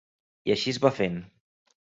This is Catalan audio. I així es va fent.